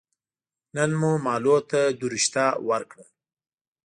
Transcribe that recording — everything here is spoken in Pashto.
نن مو مالو ته دروشته ور کړه